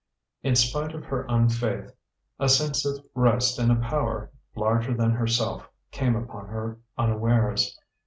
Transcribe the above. In spite of her unfaith, a sense of rest in a power larger than herself came upon her unawares.